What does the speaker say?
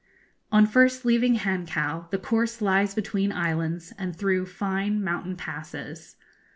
] On first leaving Hankow the course lies between islands and through fine mountain passes.